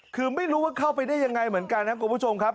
คือไม่รู้ว่าเข้าไปได้ยังไงเหมือนกันครับคุณผู้ชมครับ